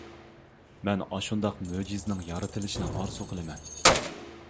مەن ئاشۇنداق مۆجىزىنىڭ يارىتىلىشنى ئارزۇ قىلىمەن.